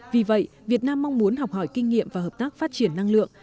vì vậy việt nam mong muốn học hỏi kinh nghiệm và hợp tác phát triển năng lượng